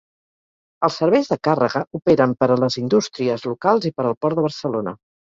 Els serveis de càrrega operen per a les indústries locals i per al Port de Barcelona.